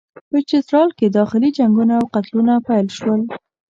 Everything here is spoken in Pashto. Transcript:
په چترال کې داخلي جنګونه او قتلونه پیل شول.